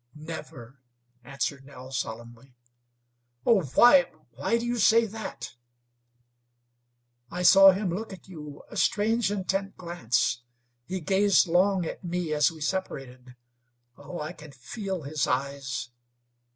"Never," answered Nell, solemnly. "Oh, why why do you say that?" "I saw him look at you a strange, intent glance. He gazed long at me as we separated. Oh! I can feel his eyes.